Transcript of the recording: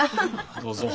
どうぞ。